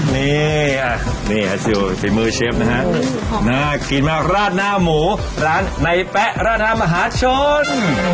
นี่นี่ฝีมือเชฟนะฮะน่ากินมากราดหน้าหมูร้านในแป๊ะราคามหาชน